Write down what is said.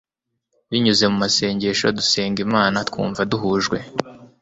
binyuze mu masengesho dusenga imana, twumva duhujwe